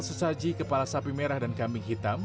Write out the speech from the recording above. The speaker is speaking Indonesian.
sesaji kepala sapi merah dan kambing hitam